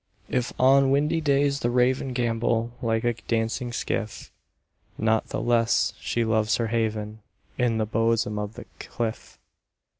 If on windy days the Raven Gambol like a dancing skiff, Not the less she loves her haven In the bosom of the cliff.